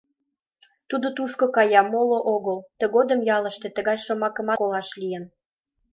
Тудо тушко кая, моло огыл» — тыгодым ялыште тыгай шомакымат колаш лийын.